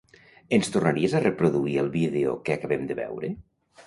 Ens tornaries a reproduir el vídeo que acabem de veure?